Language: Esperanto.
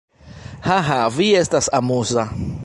Haha, vi estas amuza.